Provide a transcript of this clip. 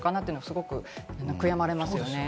すごく悔やまれますよね。